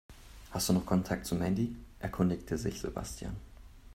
"Hast du noch Kontakt zu Mandy?", erkundigte sich Sebastian.